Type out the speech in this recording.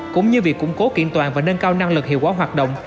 cũng như việc củng cố kiện toàn và nâng cao năng lực hiệu quả hoạt động